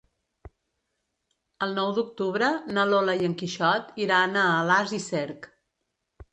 El nou d'octubre na Lola i en Quixot iran a Alàs i Cerc.